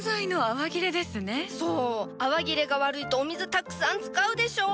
泡切れが悪いとお水たくさん使うでしょ！？